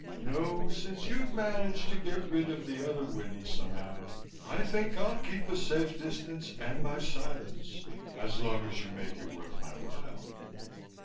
No, since you've managed to get rid of the other Winnie, somehow, I think I'll keep a safe distance and my silence, as long as you make it worth my while."